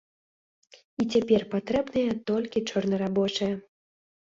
І цяпер патрэбныя толькі чорнарабочыя.